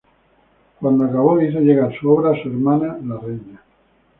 Cuando acabó hizo llegar su obra a su hermana, la reina.